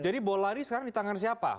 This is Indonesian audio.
jadi bolari sekarang di tangan siapa